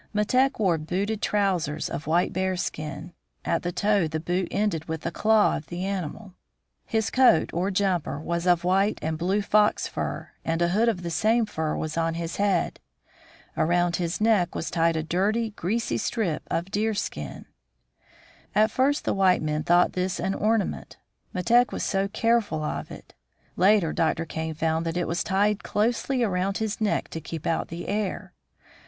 Metek wore booted trousers of white bearskin. At the toe the boot ended with the claw of the animal. His coat, or jumper, was of white and blue fox fur, and a hood of the same fur was on his head. Around his neck was tied a dirty, greasy strip of deerskin. At first the white men thought this an ornament, Metek was so careful of it. Later, Dr. Kane found that it was tied closely around his neck to keep out the air.